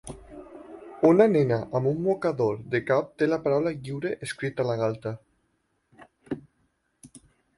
Una nena amb un mocador de cap té la paraula "lliure" escrita a la galta.